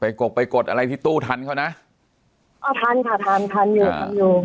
กกไปกดอะไรที่ตู้ทันเขานะเอาทันค่ะทันทันอยู่ทันอยู่